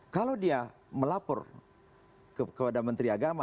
kalau dia melapor kepada menteri agama